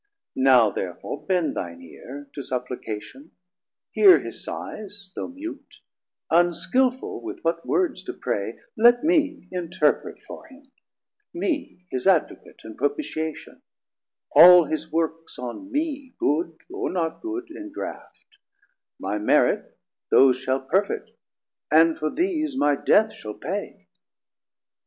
Now therefore bend thine eare 30 To supplication, heare his sighs though mute; Unskilful with what words to pray, let mee Interpret for him, mee his Advocate And propitiation, all his works on mee Good or not good ingraft, my Merit those Shall perfet, and for these my Death shall pay.